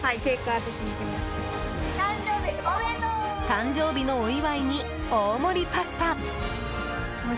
誕生日のお祝いに大盛りパスタ。